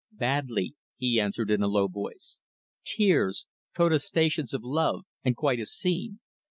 "Badly," he answered in a low voice. "Tears, protestations of love, and quite a scene.